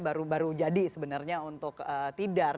baru baru jadi sebenarnya untuk tidar